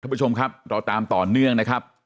ผู้ชมครับเราตามต่อเนื่องนะครับ